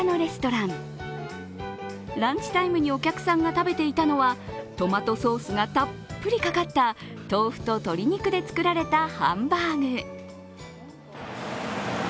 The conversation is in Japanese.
ランチタイムにお客さんが食べていたのはトマトソースがたっぷりかかった豆腐と鶏肉で作られたハンバーグ。